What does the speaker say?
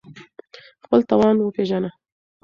خپل توان وپېژنه